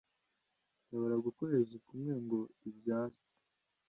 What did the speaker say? yaburaga ukwezi kumwe ngo ibyare